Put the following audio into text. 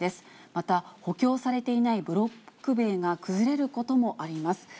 また、補強されていないブロック塀が崩れることもあります。